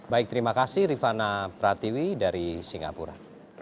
baik terima kasih rifana pratiwi dari singapura